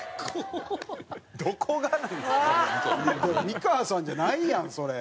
美川さんじゃないやんそれ。